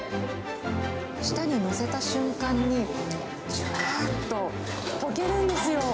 舌に載せた瞬間に、じゅわーっと溶けるんですよ。